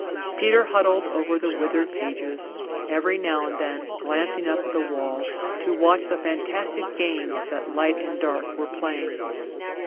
Peter huddled over the withered pages, every now and then glancing up at the walls to watch the fantastic games that light and dark were playing.